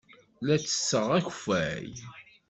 La ttesseɣ akeffay.